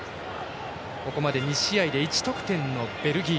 ここまで２試合で１得点のベルギー。